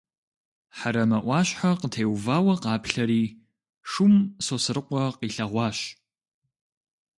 Хьэрэмэ ӏуащхьэ къытеувауэ къаплъэри, шум Сосрыкъуэ къилъэгъуащ.